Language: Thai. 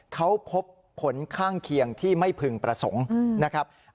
เขาพบผลข้างเคียงที่ไม่พึงประสงค์นะครับ